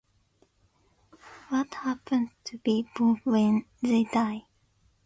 What happen to people when they die?